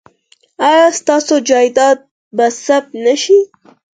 ایا ستاسو جایداد به ثبت نه شي؟